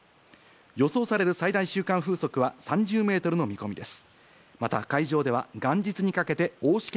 予想される最大瞬間風速は、３０メートルの見込みです。